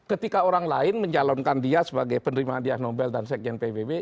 ketika orang lain mencalonkan dia sebagai penerima dia nobel dan sekjen pbb